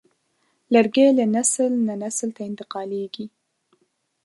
لرګی له نسل نه نسل ته انتقالېږي.